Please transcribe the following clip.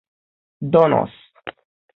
donos